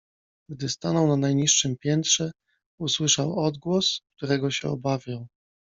Gdy stanął na najniższym piętrze, usłyszał odgłos, którego się obawiał.